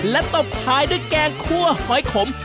และตบท้ายด้วยแกงคั่วหอยขม